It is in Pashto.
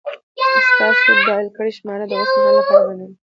ستاسو ډائل کړې شمېره د اوس مهال لپاره بنده ده